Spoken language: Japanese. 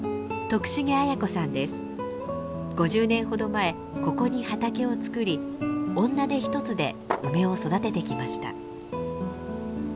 ５０年ほど前ここに畑を作り女手ひとつで梅を育ててきました。